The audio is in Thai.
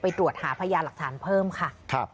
ตรวจหาพยาหลักฐานเพิ่มค่ะ